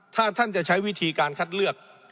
ถ้าท่านจะใช้วิธีการคัดเลือก